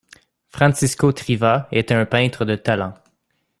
Francisco Triva était un peintre de talent.